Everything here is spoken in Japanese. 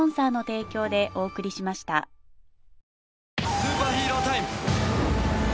スーパーヒーロータイム。